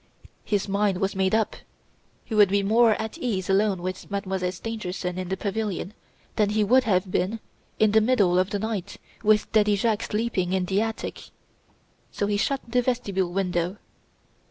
His mind was made up. He would be more at ease alone with Mademoiselle Stangerson in the pavilion, than he would have been in the middle of the night, with Daddy Jacques sleeping in the attic. So he shut the vestibule window.